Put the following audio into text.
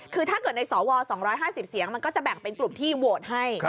คือถ้าเกิดในสว๒๕๐เสียงมันก็จะแบ่งเป็นกลุ่มที่โหวตให้